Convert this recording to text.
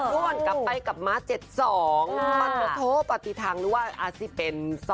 กลับไปกับมา๗๒ปัดโทษปฏิทางหรือว่าอาสิเป็น๒๘๒